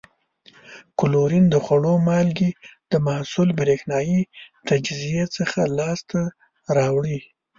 کلورین د خوړو مالګې د محلول برېښنايي تجزیې څخه لاس ته راوړي.